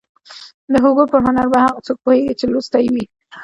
د هوګو پر هنر به هغه څوک پوهېږي چې لوستی يې وي.